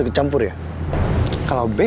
saya pikir ada apa